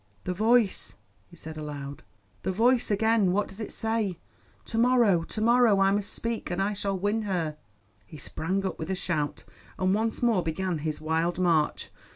"The Voice," he said aloud; "the Voice again. What does it say? To morrow, to morrow I must speak; and I shall win her." He sprang up with a shout, and once more began his wild march.